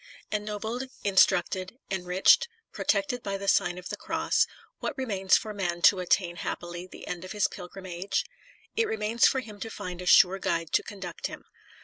ENNOBLED, instructed, enriched, protected by the Sign of the Cross, what remains for man to attain happily the end of his pilgrim age? It remains for him to find a sure guide to conduct him.